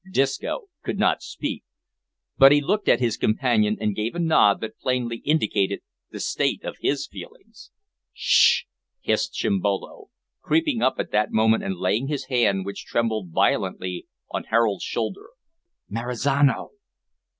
Disco could not speak, but he looked at his companion, and gave a nod that plainly indicated the state of his feelings. "'Sh!" hissed Chimbolo, creeping up at that moment and laying his hand, which trembled violently, on Harold's shoulder, "Marizano!"